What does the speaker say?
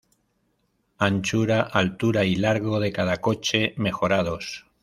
Anchura, altura y largo de cada coche mejorados.